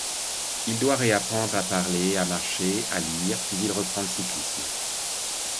Il doit réapprendre à parler, à marcher, à lire, puis il reprend le cyclisme.